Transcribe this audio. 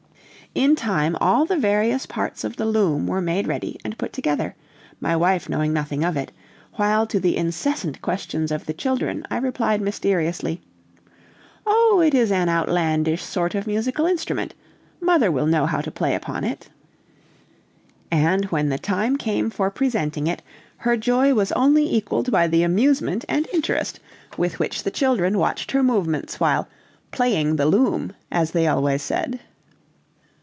In time all the various parts of the loom were made ready, and put together, my wife knowing nothing of it, while to the incessant questions of the children, I replied mysteriously. "Oh, it is an outlandish sort of musical instrument; mother will know how to play upon it." And when the time came for presenting it, her joy was only equaled by the amusement and interest with which the children watched her movements while "playing the loom," as they always said.